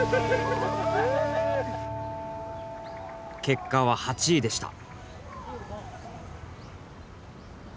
結果は８位でした。